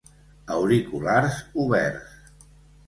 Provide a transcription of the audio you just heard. Auriculars oberts.